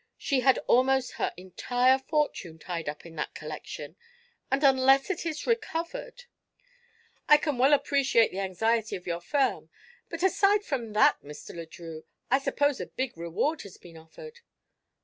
She had almost her entire fortune tied up in that collection, and unless it is recovered ." "I can well appreciate the anxiety of your firm. But aside from that, Mr. Le Drieux, I suppose a big reward has been offered?"